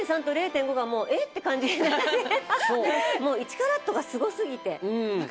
もう１カラットがすごすぎて。